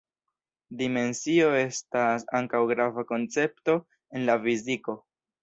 Dimensio estas ankaŭ grava koncepto en la fiziko.